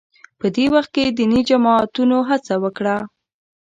په دې وخت کې دیني جماعتونو هڅه وکړه